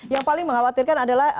yang paling mengkhawatirkan adalah